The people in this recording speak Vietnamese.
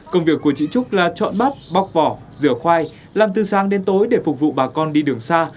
công việc của chị trúc là chọn bắp bóc vỏ rửa khoai làm từ sáng đến tối để phục vụ bà con đi đường xa